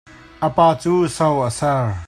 A pa cu so a ser.